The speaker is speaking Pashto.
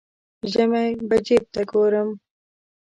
ژمی به جیب ته ګورم.